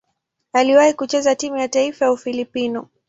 Aliwahi kucheza timu ya taifa ya Ufilipino.